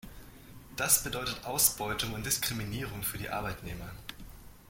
Das bedeutet Ausbeutung und Diskriminierung für die Arbeitnehmer.